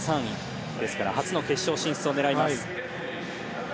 ですから、初の決勝進出を狙います。